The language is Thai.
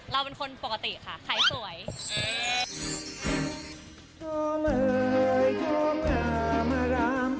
เราเป็นคนปกติค่ะขายสวย